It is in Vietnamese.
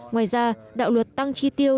ngoài ra đạo luật tăng chi tiêu